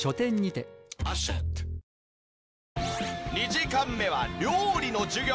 ２時間目は料理の授業。